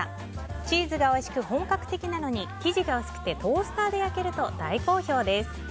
チーズがおいしく本格的なのに生地が薄くてトースターで焼けると大好評です。